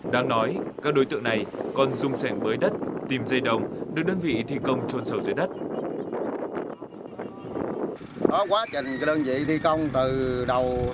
đáng nói các đối tượng này còn dung sẻng bới đất tìm dây đồng được đơn vị thi công trôn sầu dưới đất